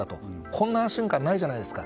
こんな安心感ないじゃないですか。